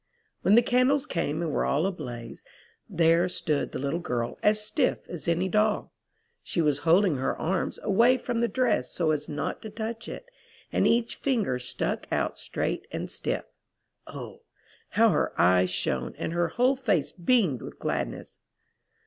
"When the candles came and were all ablaze, there stood the little girl as stiff as any doll. She was holding her arms away from the dress so as not to touch it, and each finger stuck out straight and stiff. Oh! how her eyes shone and her whole face beamed with gladness.